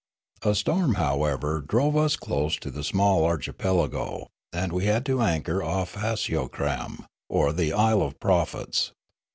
A storm, however, drove us close to the small archipelago, and we had to anchor off Haciocram, or the Isle of Prophets.